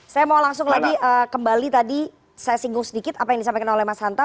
saya mau langsung lagi kembali tadi saya singgung sedikit apa yang disampaikan oleh mas hanta